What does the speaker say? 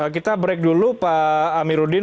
kita break dulu pak amiruddin